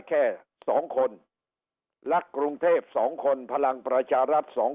แค่สองคนลักคุรุ่งเทพ์สองคนพลังปราจารัตสองคน